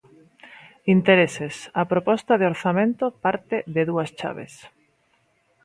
Intereses: A proposta de orzamento parte de dúas chaves.